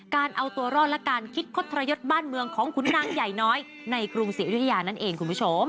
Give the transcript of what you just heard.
การเอาตัวรอดและการคิดคดทรยศบ้านเมืองของขุนนางใหญ่น้อยในกรุงศรีอยุธยานั่นเองคุณผู้ชม